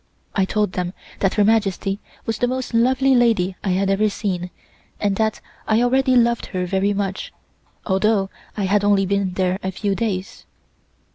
I told them that Her Majesty was the most lovely lady I had ever seen, and that I already loved her very much, although I had only been there a few days.